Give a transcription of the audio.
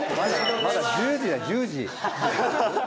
まだ１０時だよ１０時。